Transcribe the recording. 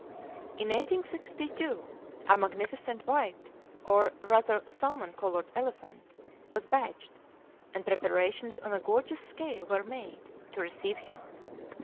In 1862 a magnificent white or, rather, salmon colored elephant was "bagged," and preparations on a gorgeous scale were made to receive him.